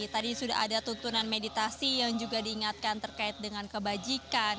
tadi sudah ada tuntunan meditasi yang juga diingatkan terkait dengan kebajikan